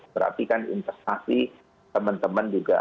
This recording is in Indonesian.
berarti kan investasi teman teman juga